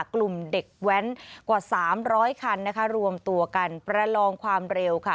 กลุ่มเด็กแว้นกว่า๓๐๐คันนะคะรวมตัวกันประลองความเร็วค่ะ